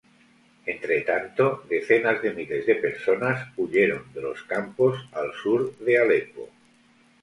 Entretanto, decenas de miles de personas huyeron de los campos al sur de Alepo.